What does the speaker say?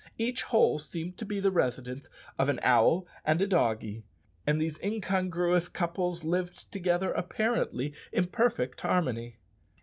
Each hole seemed to be the residence of an owl and a doggie, and these incongruous couples lived together apparently in perfect harmony.